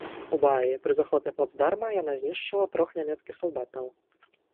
У баі пры захопе плацдарма яна знішчыла трох нямецкіх салдатаў.